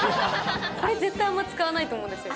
これ、絶対あんま使わないと思うんですよ。